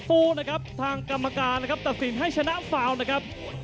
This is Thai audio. สู้นะครับทางกรรมการนะครับตัดสินให้ชนะฟาวนะครับ